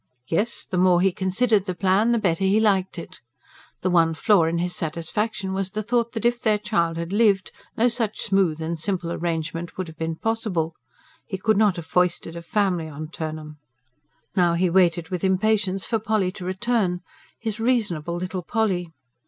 Yes, the more he considered the plan, the better he liked it. The one flaw in his satisfaction was the thought that if their child had lived, no such smooth and simple arrangement would have been possible. He could not have foisted a family on Turnham. Now he waited with impatience for Polly to return his reasonable little Polly!